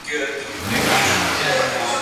د دنیا لمن ده پراخه عیش او نوش یې نه ختمیږي ,